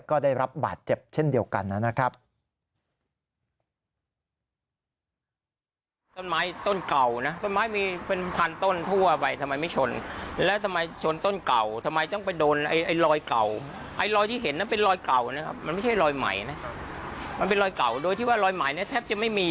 ก็ได้รับบาดเจ็บเช่นเดียวกันนะครับ